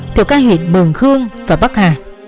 từ các huyện mường khương và bắc hà